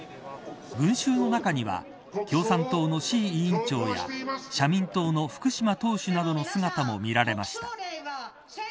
群衆の中には共産党の志位委員長や社民党の福島党首などの姿も見られました。